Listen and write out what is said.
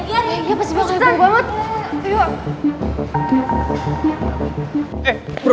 iya pasti masukin buru buru